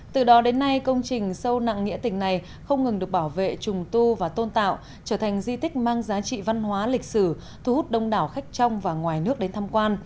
từ đó đến nay công trình sâu nặng nghĩa tình này không ngừng được bảo vệ trùng tu và tôn tạo trở thành di tích mang giá trị văn hóa lịch sử thu hút đông đảo khách trong và ngoài nước đến tham quan